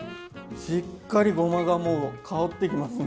しっかりごまがもう香ってきますね